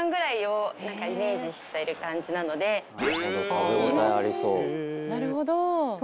食べ応えありそう。